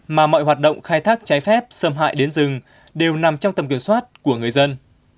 mà mọi hoạt động khai thác trái phép xâm hại đến rừng đều nằm trong tầm kiểm soát của người dân